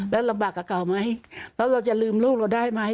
แล้วลำบากกับเก่าไหมแล้วเราจะลืมลูกเราได้ไหม